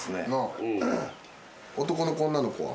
男の子女の子は？